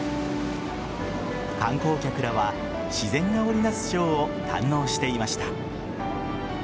観光客らは自然が織りなすショーを堪能していました。